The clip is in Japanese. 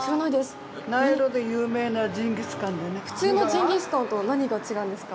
普通のジンギスカンと何が違うんですか？